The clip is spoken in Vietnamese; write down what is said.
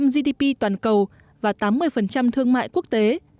chín mươi gdp toàn cầu và tám mươi thương mại quốc tế